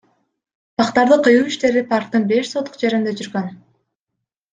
Бактарды кыюу иштери парктын беш сотых жеринде жүргөн.